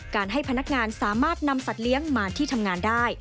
ให้พนักงานสามารถนำสัตว์เลี้ยงมาที่ทำงานได้